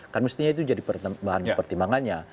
kan mestinya itu jadi bahan pertimbangannya